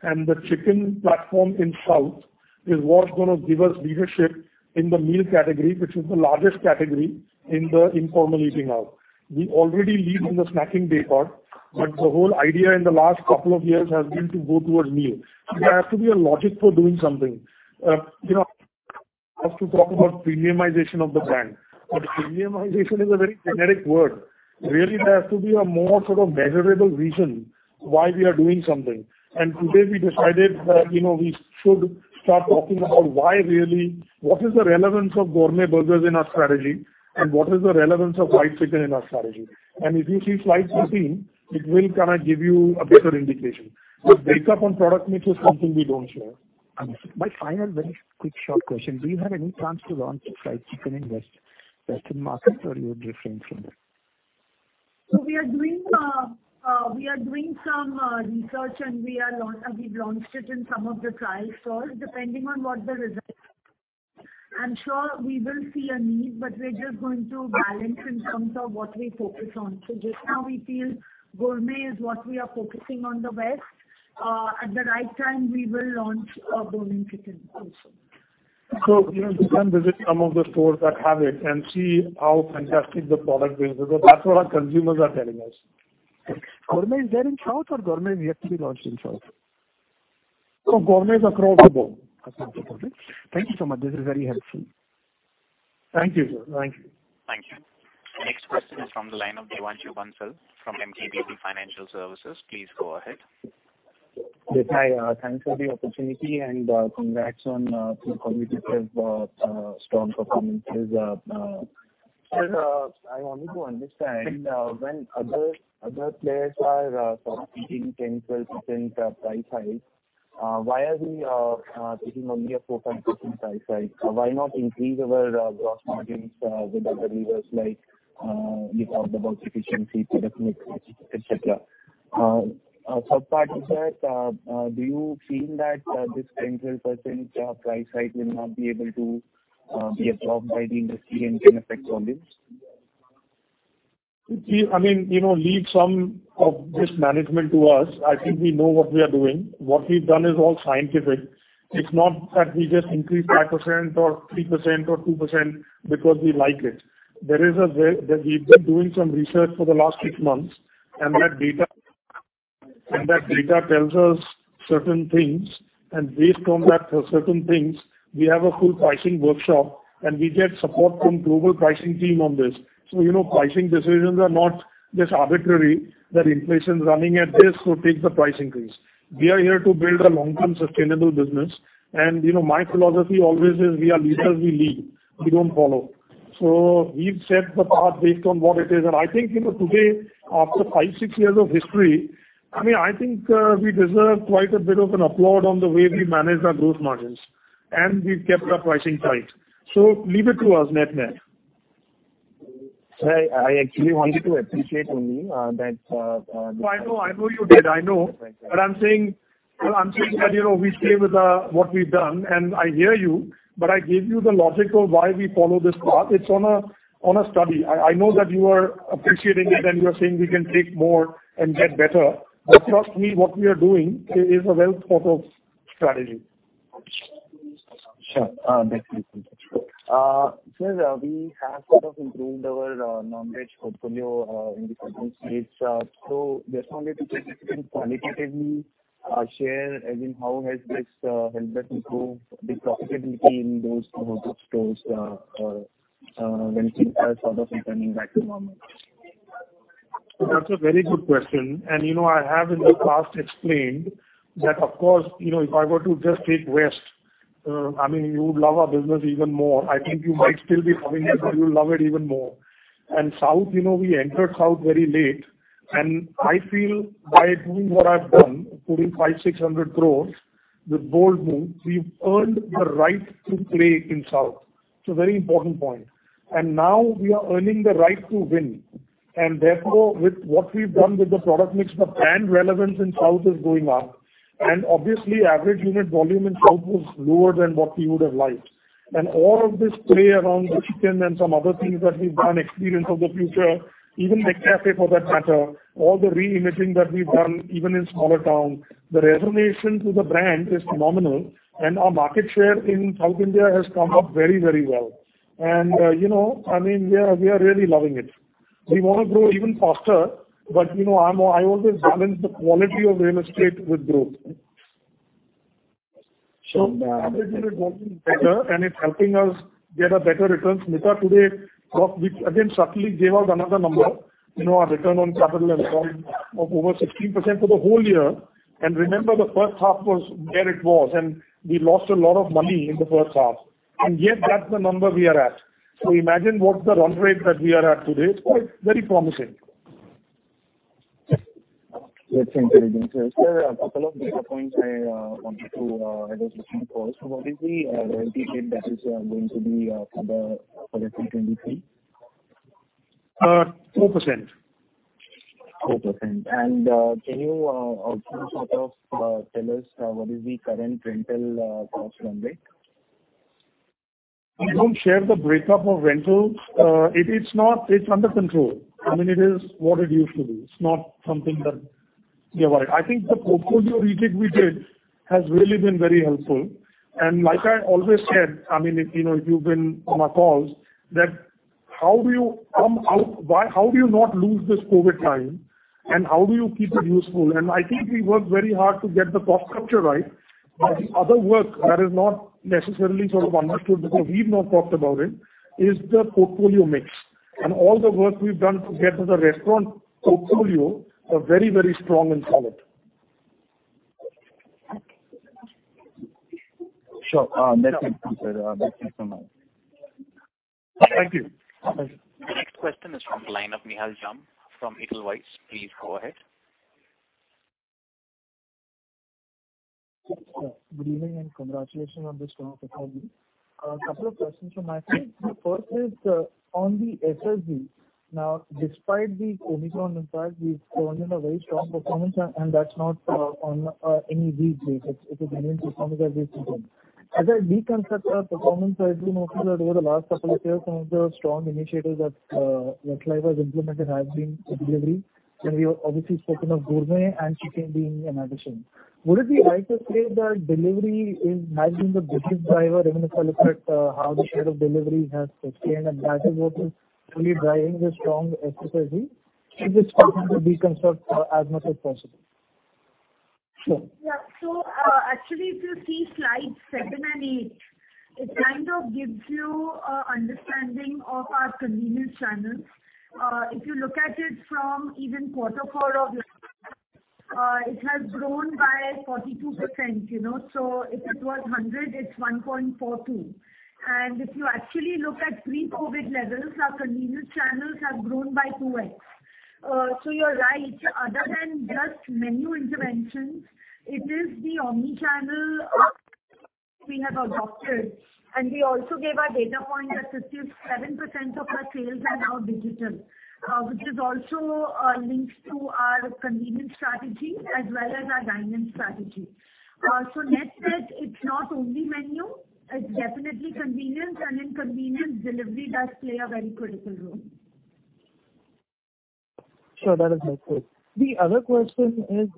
and the chicken platform in South is what's gonna give us leadership in the meal category, which is the largest category in the informal eating out. We already lead in the snacking daypart, but the whole idea in the last couple of years has been to go towards meal. There has to be a logic for doing something. You know, I have to talk about premiumization of the brand. Premiumization is a very generic word. Really, there has to be a more sort of measurable reason why we are doing something. Today we decided that, you know, we should start talking about what is the relevance of Gourmet Burgers in our strategy, and what is the relevance of white chicken in our strategy. If you see Slide 16, it will kind of give you a better indication. Based upon product mix is something we don't share. My final very quick short question, do you have any plans to launch fried chicken in western markets or you would refrain from that? We are doing some research and we've launched it in some of the trial stores. Depending on what the results are, I'm sure we will see a need, but we're just going to balance in terms of what we focus on. Just now we feel Gourmet is what we are focusing on the West. At the right time, we will launch Fried Chicken also. you know, you can visit some of the stores that have it and see how fantastic the product is. Because that's what our consumers are telling us. Gourmet is there in South or Gourmet is yet to be launched in South? No, Gourmet is across the board. Across the board. Thank you so much. This is very helpful. Thank you, sir. Thank you. Thank you. Next question is from the line of Devanshu Bansal from Emkay Global Financial Services. Please go ahead. Yes, hi, thanks for the opportunity and congrats on some competitively strong performances. Sir, I wanted to understand, when other players are sort of taking 10%-12% price hike, why are we taking only a 4%-5% price hike? Why not increase our gross margins with other levers like you talked about efficiency, product mix, et cetera. Third-party, sir, do you feel that this 10%-12% price hike will not be able to be absorbed by the industry and can affect volumes? I mean, you know, leave some of this management to us. I think we know what we are doing. What we've done is all scientific. It's not that we just increased 5% or 3% or 2% because we like it. There is a way that we've been doing some research for the last six months, and that data, and that data tells us certain things. Based on that, for certain things, we have a full pricing workshop, and we get support from global pricing team on this. You know, pricing decisions are not just arbitrary, that inflation's running at this, so take the price increase. We are here to build a long-term sustainable business. You know, my philosophy always is we are leaders, we lead, we don't follow. We've set the path based on what it is. I think, you know, today, after five-six years of history, I mean, I think, we deserve quite a bit of applause on the way we manage our growth margins. We've kept our pricing tight. Leave it to us, net-net. Sir, I actually wanted to appreciate only that. I know, I know you did. I know. Thank you. I'm saying that, you know, we stay with what we've done, and I hear you, but I gave you the logic of why we follow this path. It's on a study. I know that you are appreciating it, and you are saying we can take more and get better. Trust me, what we are doing is a well-thought-of strategy. Sure. That's it. Sir, we have sort of improved our non-veg portfolio in the southern states. Just wanted to check if you can qualitatively share as in how has this helped us improve the profitability in those stores when it comes to sort of returning back to normal? That's a very good question. You know, I have in the past explained that of course, you know, if I were to just take West, I mean, you would love our business even more. I think you might still be coming here, but you'll love it even more. South, you know, we entered South very late. I feel by doing what I've done, putting 500-600 crores, the bold move, we've earned the right to play in South. It's a very important point. Now we are earning the right to win. Therefore, with what we've done with the product mix, the brand relevance in South is going up. Obviously, average unit volume in South was lower than what we would have liked. All of this play around the chicken and some other things that we've done, Experience of the Future, even McCafe for that matter, all the reimaging that we've done, even in smaller towns, the resonance to the brand is phenomenal. Our market share in South India has come up very, very well. You know, I mean, we are really loving it. We wanna grow even faster, but you know, I always balance the quality of real estate with growth. The average unit volume is better, and it's helping us get better returns. Nita today talked. We again subtly gave out another number. You know, our return on capital employed of over 16% for the whole year. Remember, the first 1/2 was where it was, and we lost a lot of money in the first 1/2. Yet that's the number we are at. Imagine what the run rate that we are at today. It's very promising. That's intelligent, sir. Sir, a couple of data points I wanted to have a look at. What is the royalty rate that is going to be for the fiscal 2023? 4%. 4%. Can you also sort of tell us what is the current rental cost run rate? We don't share the breakup of rentals. It is not. It's under control. I mean, it is what it used to be. It's not something that. Yeah, right. I think the portfolio retake we did has really been very helpful. Like I always said, I mean, if, you know, if you've been on my calls, how do you not lose this COVID time, and how do you keep it useful? I think we worked very hard to get the cost structure right. The other work that is not necessarily sort of understood because we've not talked about it is the portfolio mix and all the work we've done to get to the restaurant portfolio are very, very strong and solid. Sure. Next time, sir. Thank you so much. Thank you. The next question is from the line of Nihal Jham from Edelweiss. Please go ahead. Good evening, and congratulations on the strong performance. A couple of questions from my side. The first is on the SSG. Now, despite the Omicron impact, we've shown a very strong performance, and that's not on any weak base. It's a convenience or commoditization. As I deconstruct our performance, I do notice that over the last couple of years, some of the strong initiatives that McDonald's implemented have been delivery. And we have obviously spoken of gourmet and chicken being an addition. Would it be right to say that delivery has been the biggest driver, even if I look at how the share of delivery has sustained, and that is what is really driving the strong SSG? If it's possible to deconstruct as much as possible. Sure. Yeah. Actually, if you see Slides 7 and 8, it kind of gives you a understanding of our convenience channels. If you look at it from even quarter four of last year, it has grown by 42%, you know. If it was 100, it's 1.42. If you actually look at pre-COVID levels, our convenience channels have grown by 2x. You're right. Other than just menu interventions, it is the omni-channel we have adopted. We also gave a data point that 57% of our sales are now digital, which is also links to our convenience strategy as well as our dine-in strategy. Net-net, it's not only menu, it's definitely convenience. In convenience, delivery does play a very critical role. Sure, that is helpful. The other question is,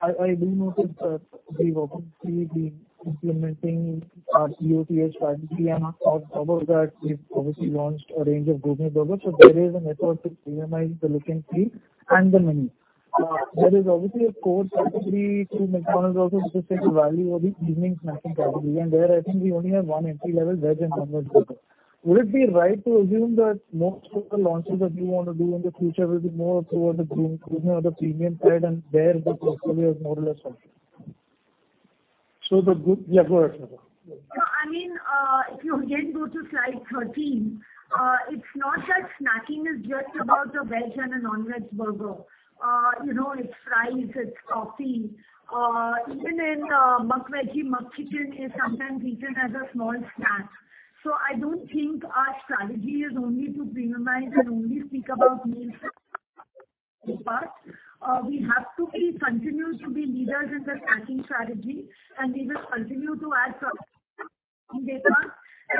I do notice that we've obviously been implementing our EOTF strategy, and on top of that, we've obviously launched a range of gourmet burgers. So there is an effort to premiumize the luxury tier and the menu. There is obviously a core category to McDonald's also which is the value or the evening snacking category. There I think we only have one entry-level veg and non-veg burger. Would it be right to assume that most of the launches that you wanna do in the future will be more towards the gourmet or the premium side, and there the portfolio is more or less complete? Yeah, go ahead, Smita. No, I mean, if you again go to Slide 13, it's not that snacking is just about a veg and a non-veg burger. You know, it's fries, it's coffee. Even in McVeggie, McChicken is sometimes eaten as a small snack. I don't think our strategy is only to premiumize and only speak about meals. We have to be continuous to be leaders in the snacking strategy, and we will continue to add some SKUs.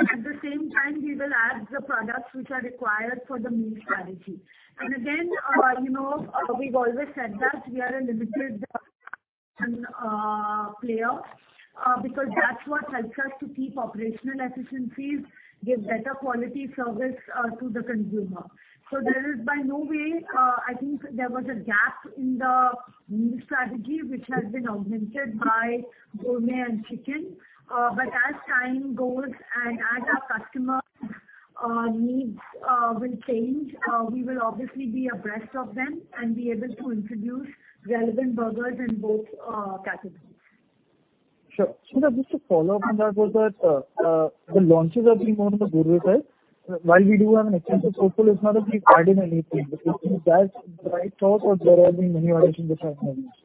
At the same time, we will add the products which are required for the meal strategy. Again, you know, we've always said that we are a limited player, because that's what helps us to keep operational efficiencies, give better quality service to the consumer. There is by no means, I think there was a gap in the meal strategy which has been augmented by gourmet and chicken. As time goes and as our customers needs will change, we will obviously be abreast of them and be able to introduce relevant burgers in both categories. Sure. Smita, just a follow-up on that. Was that the launches are being more on the gourmet side? While we do have an extensive portfolio, it's not that we've added anything. Is that the right thought or there have been many additions which I have missed?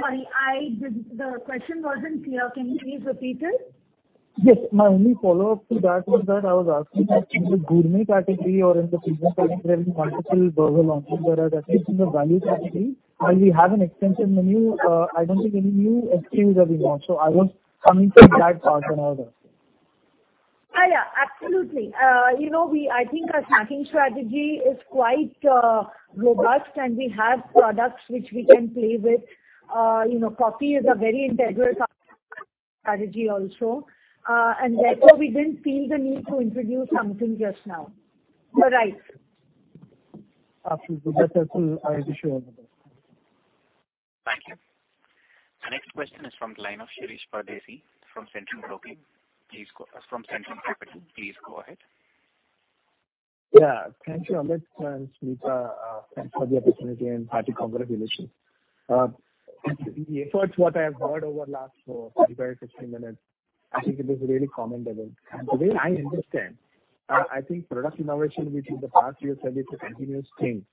Sorry, the question wasn't clear. Can you please repeat it? Yes. My only follow-up to that was that I was asking that in the gourmet category or in the premium category, there have been multiple burger launches. Whereas at least in the value category, while we have an extensive menu, I don't think any new SKUs have been launched. I was coming from that part when I was asking. Oh, yeah, absolutely. You know, I think our snacking strategy is quite robust, and we have products which we can play with. You know, coffee is a very integral strategy also. Therefore, we didn't feel the need to introduce something just now. You're right. Absolutely. That's all. I wish you all the best. Thank you. The next question is from the line of Shirish Pardeshi from Centrum Broking. From Centrum Capital. Please go ahead. Yeah. Thank you, Amit and Smita, for the opportunity and hearty congratulations. The efforts what I have heard over last 45, 50 minutes, I think it is really commendable. Today I understand, I think product innovation, which in the past you have said it's a continuous thing.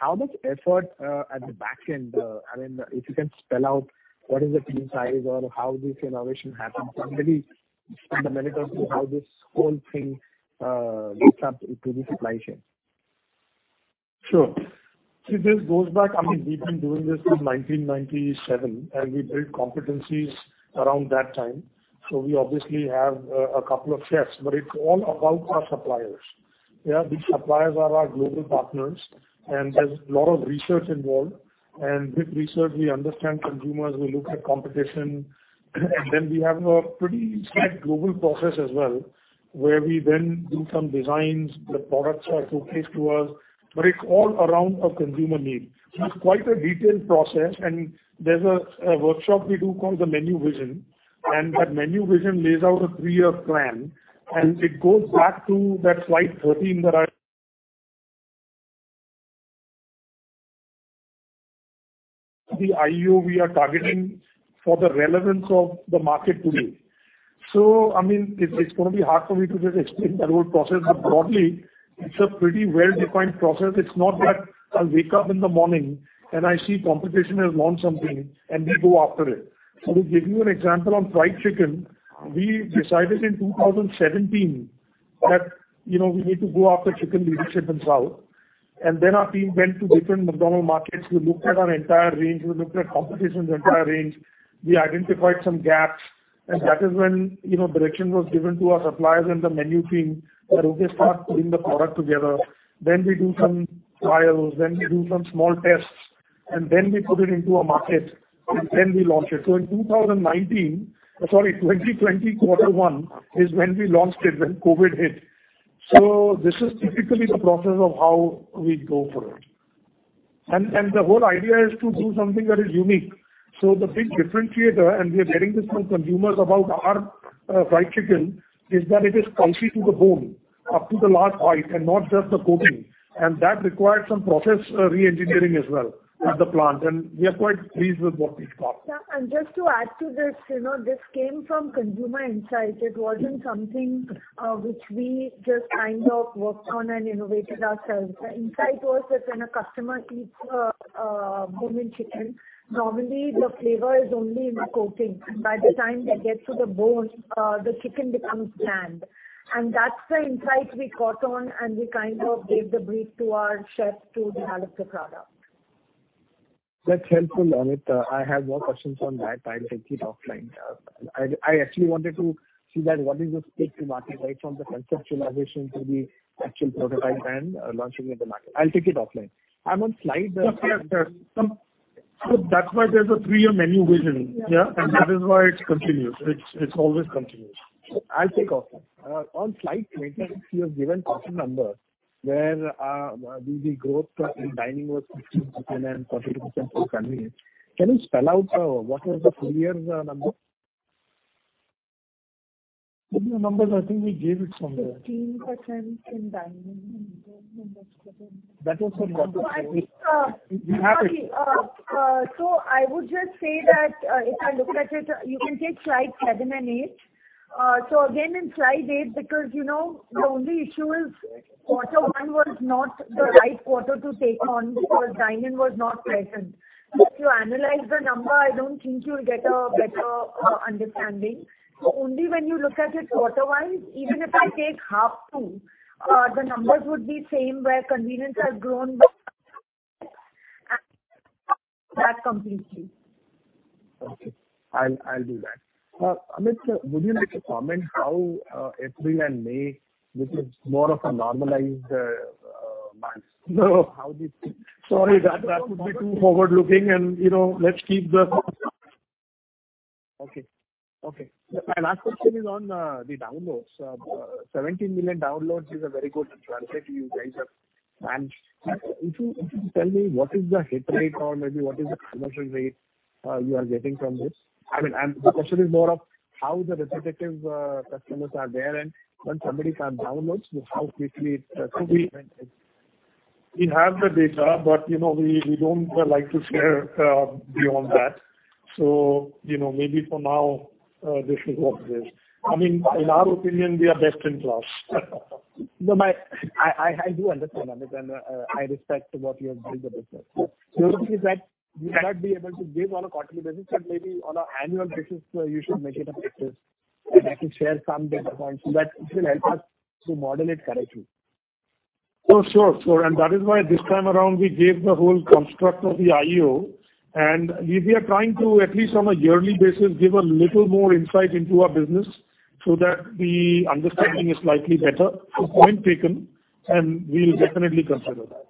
How much effort, at the back end, I mean, if you can spell out what is the team size or how this innovation happens? I'm really interested in the merits of how this whole thing links up to the supply chain. Sure. See, this goes back. I mean, we've been doing this since 1997, and we built competencies around that time. We obviously have a couple of chefs, but it's all about our suppliers. Yeah. These suppliers are our global partners, and there's a lot of research involved. With research, we understand consumers, we look at competition, and then we have a pretty set global process as well, where we then do some designs, the products are showcased to us, but it's all around a consumer need. It's quite a detailed process, and there's a workshop we do called the Menu Vision. That Menu Vision lays out a three-year plan, and it goes back to that Slide 13. The IEO we are targeting for the relevance of the market today. I mean, it's gonna be hard for me to just explain that whole process, but broadly, it's a pretty well-defined process. It's not that I wake up in the morning and I see competition has launched something and we go after it. To give you an example, on fried chicken, we decided in 2017 that, you know, we need to go after chicken leadership in South. Then our team went to different McDonald's markets. We looked at our entire range. We looked at competition's entire range. We identified some gaps. That is when, you know, direction was given to our suppliers and the menu team that, "Okay, start putting the product together." We do some trials, then we do some small tests, and then we put it into a market, and then we launch it. In 2019... Sorry, 2020 Q1 is when we launched it, when COVID hit. This is typically the process of how we go for it. The whole idea is to do something that is unique. The big differentiator, and we are getting this from consumers about our Fried Chicken, is that it is crunchy to the bone, up to the last bite, and not just the coating. We are quite pleased with what we've got. Just to add to this, you know, this came from consumer insight. It wasn't something which we just kind of worked on and innovated ourselves. The insight was that when a customer eats bone-in chicken, normally the flavor is only in the coating. By the time they get to the bone, the chicken becomes bland. That's the insight we caught on, and we kind of gave the brief to our chef to develop the product. That's helpful, Amit. I have more questions on that. I'll take it offline. I actually wanted to see that what is the split to market, right from the conceptualization to the actual prototype and launching in the market. I'll take it offline. I'm on slide- Yes, yes. That's why there's a three-year Menu Vision. Yeah. Yeah. That is why it's continuous. It's always continuous. I'll take offline. On slide 20, you have given quarter numbers, where the growth in dining was 15% and 40% for convenience. Can you spell out what was the full year's number? Full year numbers, I think we gave it somewhere. 15% in dining. That was from. I would. We have it. Okay. I would just say that if you look at it, you can take Slide 7 and 8. Again, in Slide 8, because you know, the only issue is quarter 1 was not the right quarter to take on because dine-in was not present. If you analyze the number, I don't think you'll get a better understanding. Only when you look at it quarter-wise, even if I take half 2, the numbers would be same, where convenience has grown that completely. Okay. I'll do that. Amit, would you like to comment how April and May, which is more of a normalized months, how did- Sorry, that would be too forward-looking and, you know, let's keep the Okay. My last question is on the downloads. 17 million downloads is a very good traction you guys have. If you could tell me what is the hit rate or maybe what is the conversion rate you are getting from this? I mean, the question is more of how the repeat customers are there, and when somebody can download, how quickly it could be. We have the data, but you know, we don't like to share beyond that. You know, maybe for now this is what it is. I mean, in our opinion, we are best in class. No, I do understand, Amit, and I respect what you're doing with the business. The only thing is that you might not be able to give on a quarterly basis, but maybe on an annual basis, you should make it a practice and actually share some data points so that it will help us to model it correctly. Oh, sure. Sure. That is why this time around we gave the whole construct of the IEO. We are trying to, at least on a yearly basis, give a little more insight into our business so that the understanding is slightly better. Point taken, and we'll definitely consider that.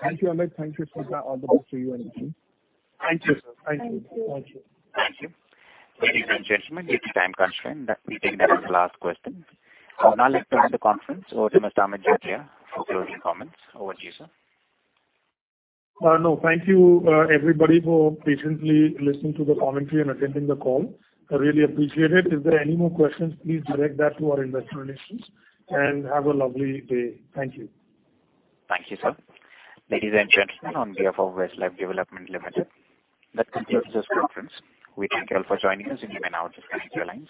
Thank you, Amit. Thank you, Smita. All the best to you and the team. Thank you, sir. Thank you. Thank you. Thank you. Ladies and gentlemen, due to time constraint, we take that as the last question. I would now like to hand the conference over to Mr. Amit Jatia for closing comments. Over to you, sir. No, thank you, everybody, for patiently listening to the commentary and attending the call. I really appreciate it. If there are any more questions, please direct that to our investor relations. Have a lovely day. Thank you. Thank you, sir. Ladies and gentlemen, on behalf of Westlife Development Limited, that concludes this conference. We thank you all for joining us, and you may now disconnect your lines.